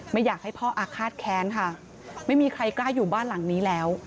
ไม่อยากให้พ่ออาฆาตแค้นค่ะไม่มีใครกล้าอยู่บ้านหลังนี้แล้ว